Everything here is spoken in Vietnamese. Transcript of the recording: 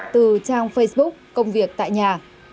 từ trang facebook công việc tại nhà